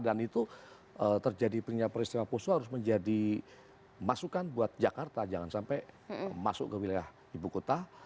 dan itu terjadi peristiwa peristiwa harus menjadi masukan buat jakarta jangan sampai masuk ke wilayah ibu kota